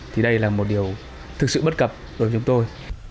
thì đây là một điều thực sự bất cập của chúng tôi